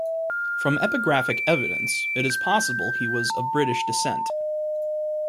From epigraphic evidence it is possible he was of British descent.